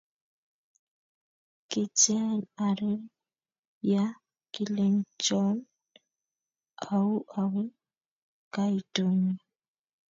Kitean arir ya kilenchon auu awe kaitanyo